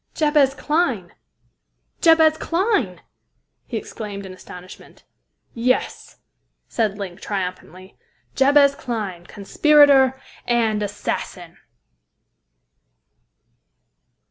"Jabez Clyne! Jabez Clyne!" he exclaimed in astonishment. "Yes!" cried Link triumphantly, "Jabez Clyne, conspirator and assassin!"